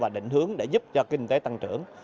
định hướng để giúp cho kinh tế tăng trưởng